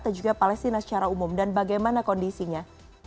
dan juga palestina secara umum dan bagaimana kondisinya